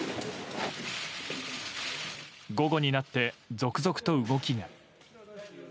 午後になって、続々と動きが。